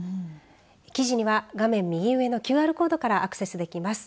記事には画面右上のＱＲコードからアクセスできます。